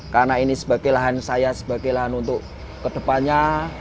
karena ini sebagai lahan saya sebagai lahan untuk kedepannya